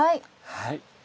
はい。